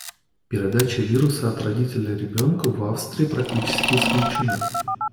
Передача вируса от родителя ребенку в Австрии практически исключена.